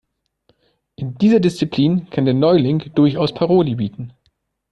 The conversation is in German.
In dieser Disziplin kann der Neuling durchaus Paroli bieten.